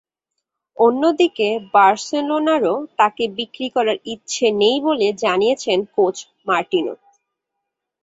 অন্যদিকে বার্সেলোনারও তাঁকে বিক্রি করার ইচ্ছে নেই বলে জানিয়েছেন কোচ মার্টিনো।